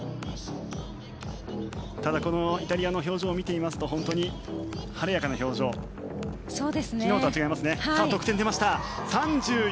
ただ、イタリアの表情を見ていますと本当に晴れやかな表情昨日とは違いますね。